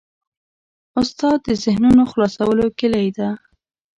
استاد د ذهنونو خلاصولو کلۍ ده.